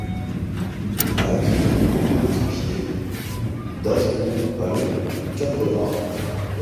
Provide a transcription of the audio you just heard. A Aguirre, il est coéquipier d'Asdrubal Cabrera.